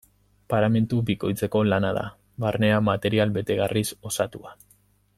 Paramentu bikoitzeko lana da, barnea material betegarriz osatua.